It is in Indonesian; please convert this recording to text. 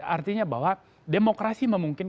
artinya bahwa demokrasi memungkinkan